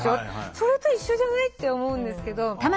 それと一緒じゃないって思うんですけど。